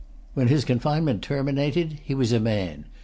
[Pg 250] When his confinement terminated he was a man.